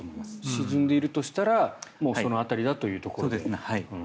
沈んでいるとしたらその辺りだというところで。